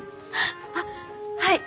あっはい。